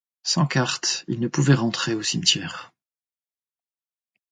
Sans carte, il ne pouvait rentrer au cimetière.